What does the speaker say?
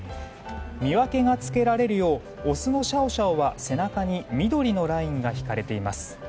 見分けがつけられるようオスのシャオシャオは背中に緑のラインが引かれています。